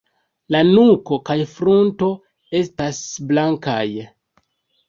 La nuko kaj frunto estas blankaj.